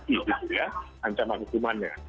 itu ya ancaman hukumannya